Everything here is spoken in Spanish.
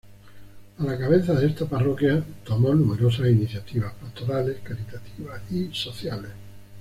A la cabeza de esta parroquia tomó numerosas iniciativas pastorales, caritativas y sociales.